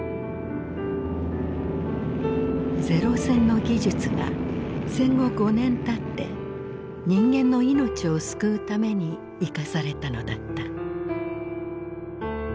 零戦の技術が戦後５年たって人間の命を救うために生かされたのだった。